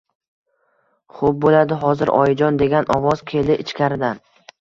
Xoʻp boʻladi, hozir, oyijon, degan ovoz keldi ichkaridan